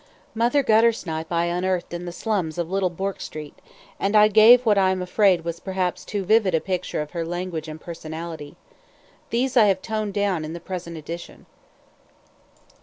Mother Guttersnipe I unearthed in the slums off Little Bourke Street; and I gave what I am afraid was perhaps too vivid a picture of her language and personality. These I have toned down in the present edition.